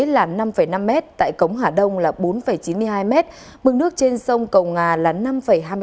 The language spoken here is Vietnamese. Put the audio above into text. là năm năm m tại cống hà đông là bốn chín mươi hai m mực nước trên sông cầu nga là năm hai mươi m